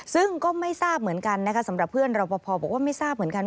ซึ่งก็ไม่ทราบเหมือนกันนะคะสำหรับเพื่อนรอปภบอกว่าไม่ทราบเหมือนกัน